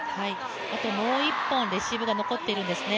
あともう１本、レシーブが残っているんですね。